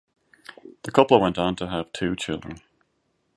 The couple went on to have two children.